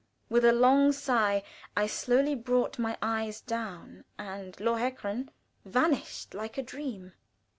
With a long sigh I slowly brought my eyes down and "Lohengrin" vanished like a dream.